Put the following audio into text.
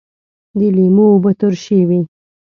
د لیمو اوبه ترشی وي